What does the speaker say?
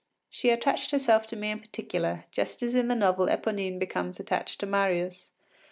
She attached herself to me in particular, just as in the novel Eponine becomes attached to Marius.